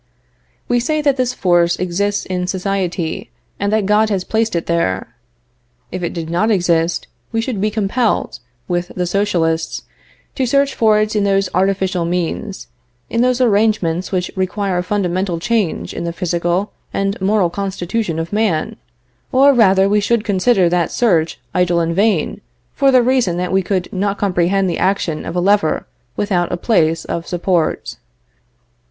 We say that this force exists in society, and that God has placed it there. If it did not exist we should be compelled, with the socialists, to search for it in those artificial means, in those arrangements which require a fundamental change in the physical and moral constitution of man, or rather we should consider that search idle and vain, for the reason that we could not comprehend the action of a lever without a place of support.